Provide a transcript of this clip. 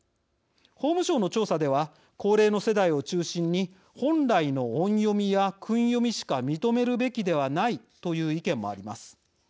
法務省の調査では高齢の世代を中心に本来の音読みや訓読みしか認めるべきではないという意見もあります。